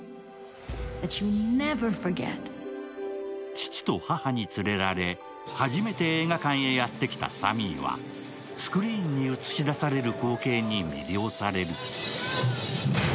父と母に連れられ、初めて映画館へやって来たサミーはスクリーンに映し出される光景に魅了される。